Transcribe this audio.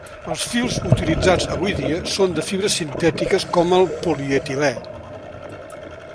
Els fils utilitzats avui dia són de fibres sintètiques com el polietilè.